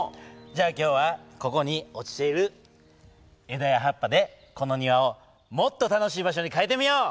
じゃあ今日はここに落ちている枝や葉っぱでこの庭をもっと楽しい場所に変えてみよう。